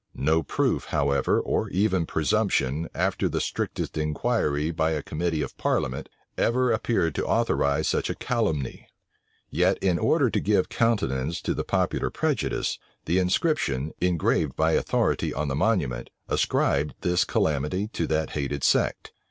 No proof, however, or even presumption, after the strictest inquiry by a committee of parliament, ever appeared to authorize such a calumny; yet, in order to give countenance to the popular prejudice, the inscription, engraved by authority on the monument, ascribed this calamity to that hated sect.